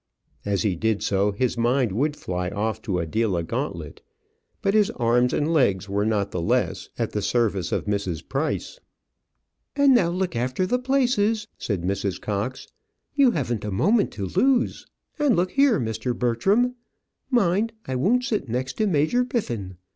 As he did so, his mind would fly off to Adela Gauntlet; but his arms and legs were not the less at the service of Mrs. Price. "And now look after the places," said Mrs. Cox; "you haven't a moment to lose. And look here, Mr. Bertram, mind, I won't sit next to Major Biffin.